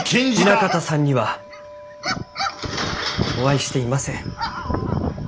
南方さんにはお会いしていません。